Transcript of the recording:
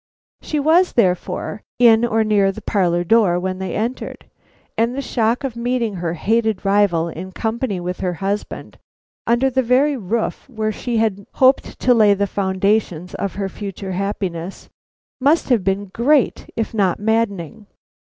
She was, therefore, in or near the parlor door when they entered, and the shock of meeting her hated rival in company with her husband, under the very roof where she had hoped to lay the foundations of her future happiness, must have been great, if not maddening.